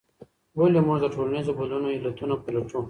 ولې موږ د ټولنیزو بدلونونو علتونه پلټو؟